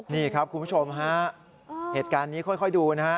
นี่ครับคุณผู้ชมฮะเหตุการณ์นี้ค่อยดูนะฮะ